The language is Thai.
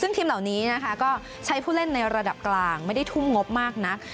ซึ่งทีมเหล่านี้นะคะก็ใช้ผู้เล่นในระดับกลางไม่ได้ทุ่มงบมากนัก